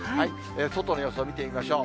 外の様子を見てみましょう。